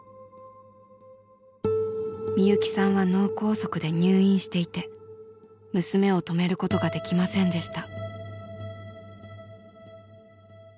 みゆきさんは脳梗塞で入院していて娘を止めることができませんでした。